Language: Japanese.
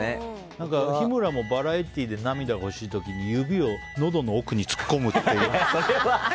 日村もバラエティーで涙が欲しい時に指を喉の奥に突っ込むって。